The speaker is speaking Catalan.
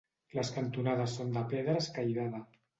Les cantonades són de pedra escairada.